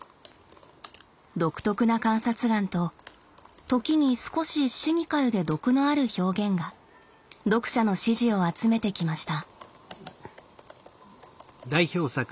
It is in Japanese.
独特な観察眼と時に少しシニカルで毒のある表現が読者の支持を集めてきました。